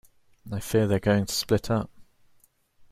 I fear they're going to split up.